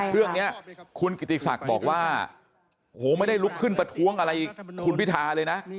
เรื่องนี้คุณกิติศักดิ์บอกว่าโอ้โหไม่ได้ลุกขึ้นประท้วงอะไรคุณพิธาเลยนะ